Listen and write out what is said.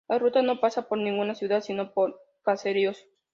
La ruta no pasa por ninguna ciudad, sino por caseríos.